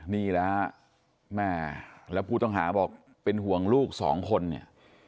นี่แหละแม่แล้วผู้ต้องหาบอกเป็นห่วงลูกสองคนเนี่ย